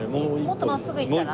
もっと真っすぐ行ったら？